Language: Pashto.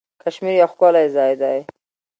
کشمیر یو ښکلی ځای دی.